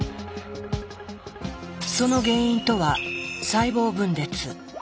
その原因とは細胞分裂。